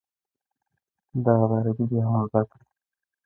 دغه ده عربي دې هم زده کړه.